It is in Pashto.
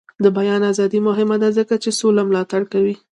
د بیان ازادي مهمه ده ځکه چې سوله ملاتړ کوي.